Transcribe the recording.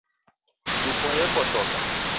Chupwa yepotoka